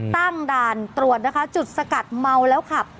ตั้งด่านตรวจนะคะจุดสกัดเมาแล้วขับ